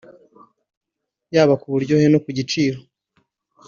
yaba ku buryohe no ku giciro